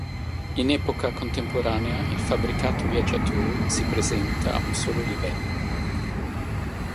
In epoca contemporanea il fabbricato viaggiatori si presenta a un solo livello.